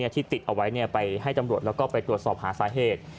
ที่ติดเอาไว้ไปให้ตำรวจแล้วก็ไปตรวจสอบหาสาเหตุ